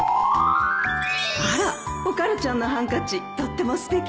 あらお軽ちゃんのハンカチとってもすてきね